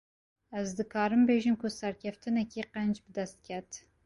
Ez dikarim bêjim ku serkeftineke qenc, bi dest ket